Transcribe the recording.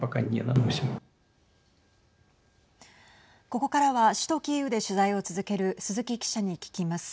ここからは首都キーウで取材を続ける鈴木記者に聞きます。